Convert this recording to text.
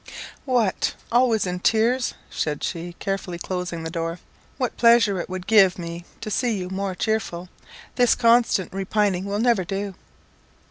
"What! always in tears," said she, carefully closing the door. "What pleasure it would give me to see you more cheerful! This constant repining will never do."